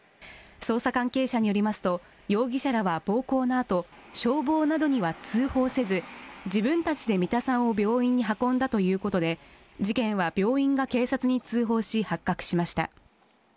捜査関係者によりますと容疑者らは暴行の後消防などには通報せず自分たちで三田さんを病院に運んだということで事件は病院が警察に通報し発覚しました。